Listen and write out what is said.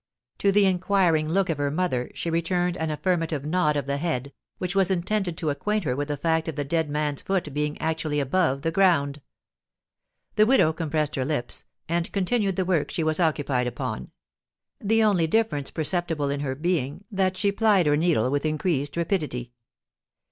To the inquiring look of her mother, she returned an affirmative nod of the head, which was intended to acquaint her with the fact of the dead man's foot being actually above the ground. The widow compressed her lips, and continued the work she was occupied upon; the only difference perceptible in her being that she plied her needle with increased rapidity.